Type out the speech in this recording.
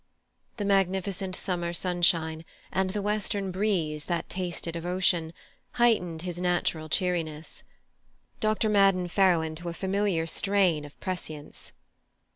The magnificent summer sunshine, and the western breeze that tasted of ocean, heightened his natural cheeriness. Dr. Madden fell into a familiar strain of prescience.